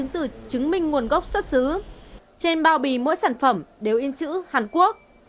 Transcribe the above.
trên bao bì mỗi sản phẩm đều in chữ hàn quốc